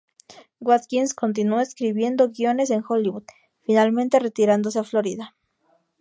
Watkins continuó escribiendo guiones en Hollywood, finalmente retirándose a Florida.